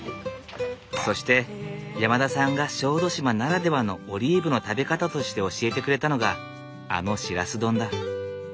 そして山田さんが小豆島ならではのオリーブの食べ方として教えてくれたのがあのしらす丼だ。